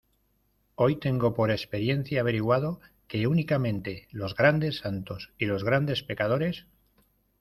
hoy tengo por experiencia averiguado que únicamente los grandes santos y los grandes pecadores